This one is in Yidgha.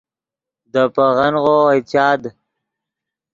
دے پیغنغو اوئے چاد